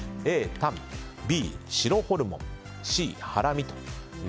Ａ、タンＢ、白ホルモンＣ、ハラミ。